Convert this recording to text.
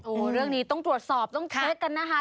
โอ้โหเรื่องนี้ต้องตรวจสอบต้องเช็คกันนะคะ